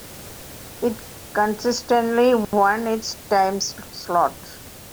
It consistently won its timeslot.